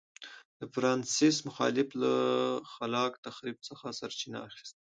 د فرانسیس مخالفت له خلاق تخریب څخه سرچینه اخیسته.